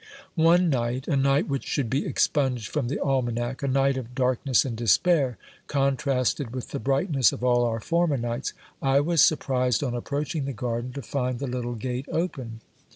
One night, a night which should be expunged from the almanac, a night of darkness and despair, contrasted with the brightness of all our former nights, I was surprised on approaching the garden, to find the little gate open.